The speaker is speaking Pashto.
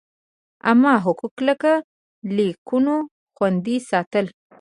عامه حقوق لکه لیکونو خوندي ساتل.